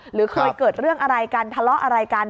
หรือเคยเกิดเรื่องอะไรกันทะเลาะอะไรกัน